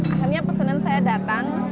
akhirnya pesanan saya datang